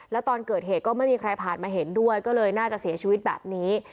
แล้วตอนเกิดเหตุก็ไม่มีใครผ่านมาเห็นด้วยก็เลยน่าจะเสียชีวิตแบบนี้